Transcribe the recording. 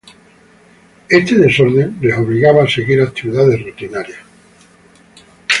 Este desorden le obligaba a seguir actividades rutinarias.